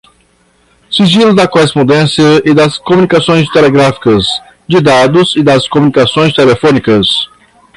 sigilo da correspondência e das comunicações telegráficas, de dados e das comunicações telefônicas